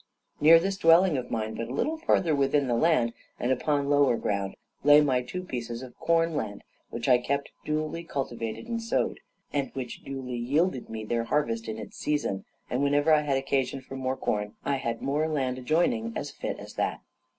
Near this dwelling of mine, but a little farther within the land, and upon lower ground, lay my two pieces of corn land, which I kept duly cultivated and sowed, and which duly yielded me their harvest in its season; and whenever I had occasion for more corn, I had more land adjoining as fit as that.